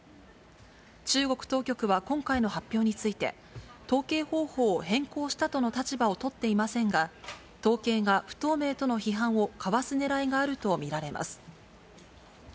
中国当局は今回の発表について、統計方法を変更したとの立場を取っていませんが、統計が不透明との批判をかわすねらいがあると見られます。